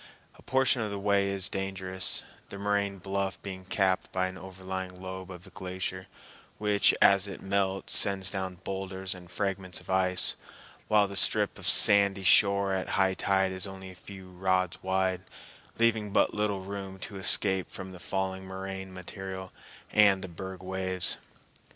A portion of the way is dangerous, the moraine bluff being capped by an overlying lobe of the glacier, which as it melts sends down boulders and fragments of ice, while the strip of sandy shore at high tide is only a few rods wide, leaving but little room to escape from the falling moraine material and the berg waves.